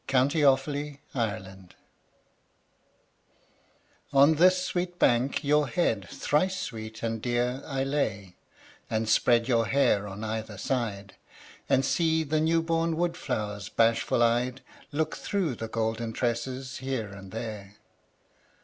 YOUTH'S SPRING TRIBUTE On this sweet bank your head thrice sweet and dear I lay, and spread your hair on either side, And see the newborn wood flowers bashful eyed Look through the golden tresses here and there.